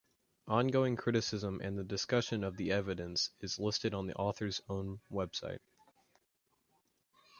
Ongoing criticism and discussion of the evidence is listed on the authors' own website.